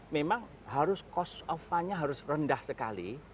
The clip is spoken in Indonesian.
memang harus cost of fund nya harus rendah sekali